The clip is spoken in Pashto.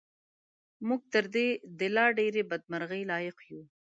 موږ تر دې د لا ډېرې بدمرغۍ لایق یو.